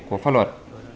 của pháp luật